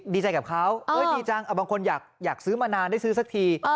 ดีใจกับเขาดีจังบางคนอยากซื้อมานานได้ซื้อสักที